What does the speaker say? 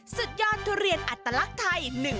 สุดยอดทุเรียนอัตลักษณ์ไทย